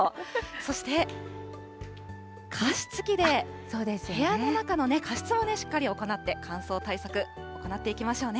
そして、加湿器で部屋の中の加湿もしっかり行って、乾燥対策行っていきましょうね。